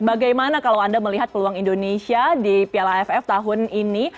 bagaimana kalau anda melihat peluang indonesia di piala aff tahun ini